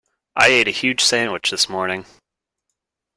I ate a huge sandwich this morning.